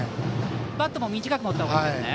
バットも短く持ったほうがいいですね。